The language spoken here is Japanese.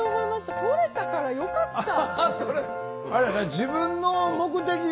とれたからよかった。